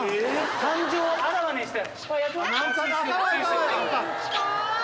感情をあらわにしてる。